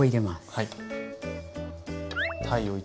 はい。